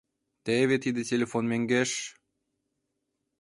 Теве тиде телефон меҥгеш!